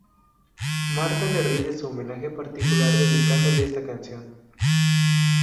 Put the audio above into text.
Marta le rinde su homenaje particular dedicándole esta canción.